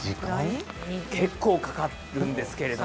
結構かかるんですけれど。